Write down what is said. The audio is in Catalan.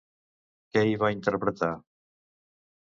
Què hi va interpretar?